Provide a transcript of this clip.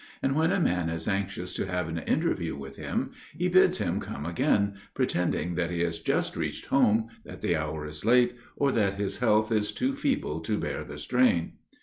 And when a man is anxious to have an interview with him, he bids him come again, pretending that he has just reached home, that the hour is late, or that his health is too feeble to bear the strain.